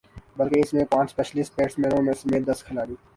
بلکہ اس میں پانچ اسپیشلسٹ بیٹسمینوں سمیت دس کھلاڑی